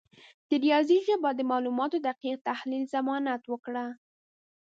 د ریاضي ژبه د معلوماتو د دقیق تحلیل ضمانت وکړه.